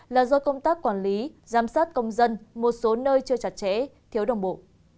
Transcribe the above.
là do công tác quản lý giám sát công dân một số nơi chưa chặt chẽ thiếu đồng bộ